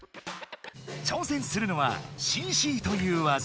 挑戦するのは「ＣＣ」という技。